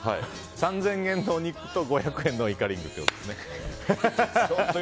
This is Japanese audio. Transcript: ３０００円のお肉と５００円のイカリングってことですね。